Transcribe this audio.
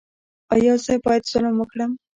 ایا زه باید ظلم وکړم؟